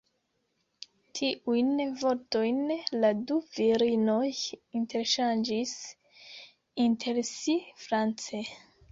Tiujn vortojn la du virinoj interŝanĝis inter si france.